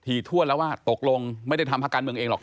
ทีทั่วแล้วว่าตกลงไม่ได้ทำภักดิ์การเมืองเองหรอก